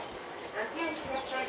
ご注意ください。